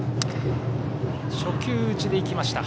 初球打ちで行きました。